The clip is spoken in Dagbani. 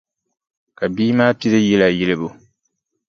Ka bia maa pili yila yilibu.